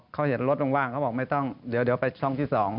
เขาเห็นรถว่างเขาบอกไม่ต้องเดี๋ยวไปช่องที่๒